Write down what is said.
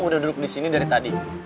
gua udah duduk disini dari tadi